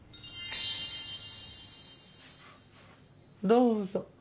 どうぞ。